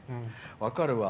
分かるわ。